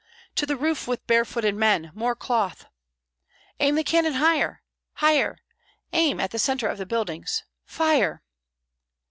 "To the roof with barefooted men! more cloth!" "Aim the cannon higher! higher! aim at the centre of the buildings fire!"